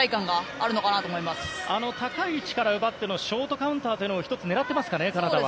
あの高い位置から奪ってのショートカウンターを１つ狙っていますかねカナダは。